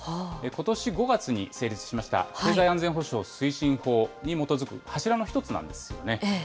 ことし５月に成立しました、経済安全保障推進法に基づく柱の一つなんですよね。